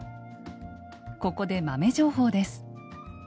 ここで豆情報です。